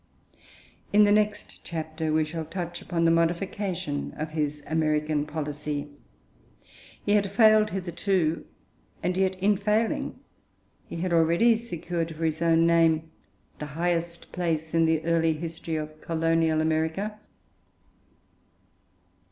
In the next chapter we shall touch upon the modification of his American policy. He had failed hitherto, and yet, in failing, he had already secured for his own name the highest place in the early history of Colonial America.